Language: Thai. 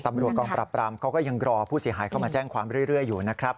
ตำรวจกองปรับปรามเขาก็ยังรอผู้เสียหายเข้ามาแจ้งความเรื่อยอยู่นะครับ